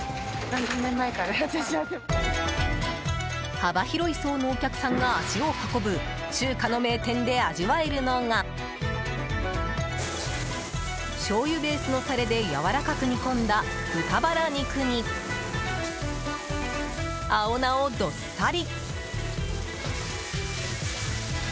幅広い層のお客さんが足を運ぶ中華の名店で味わえるのがしょうゆベースのタレでやわらかく煮込んだ豚バラ肉に青菜をどっさり。